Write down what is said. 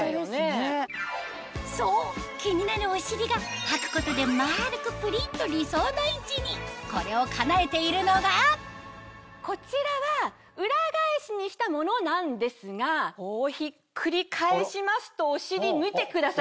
そう気になるお尻がはくことで丸くプリっと理想の位置にこれをかなえているのがこちらは裏返しにしたものなんですがこうひっくり返しますとお尻見てください。